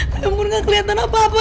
ya ampun gak kelihatan apa apa